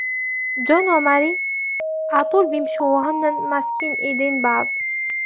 جون وماري عطول بيمشوا وهنن ماسكين ايدين بعض